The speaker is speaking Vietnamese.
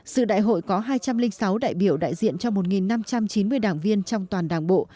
sự đại hội có hai trăm linh sáu đại biểu đại diện cho một năm trăm chín mươi đảng viên trong toàn đảng bộ